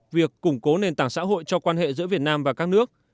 việc củng cố nền tảng xã hội cho quan hệ giữa việt nam và các nước